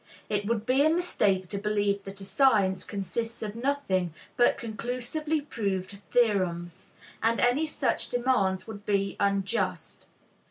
It would be a mistake to believe that a science consists of nothing but conclusively proved theorems, and any such demand would be unjust.